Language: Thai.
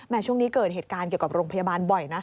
ช่วงนี้เกิดเหตุการณ์เกี่ยวกับโรงพยาบาลบ่อยนะ